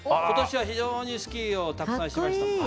今年は非常にスキーをたくさんしました。